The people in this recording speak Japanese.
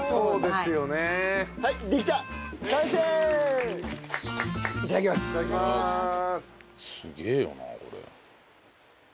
すげえよなこれ。